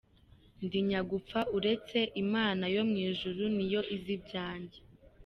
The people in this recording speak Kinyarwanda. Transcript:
Ndi nyagupfa uretse Imana yo mu ijuru niyo izi ibyanjye.